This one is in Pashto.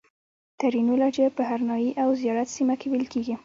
ترینو لهجه په هرنایي او زیارت سیمه کښې ویل کیږي